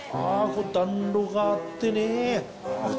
これ暖炉があってねえ